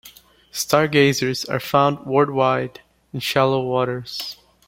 Stargazers are found worldwide in shallow waters.